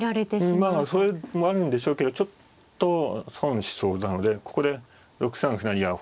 うんまあそれもあるんでしょうけどちょっと損しそうなのでここで６三歩成や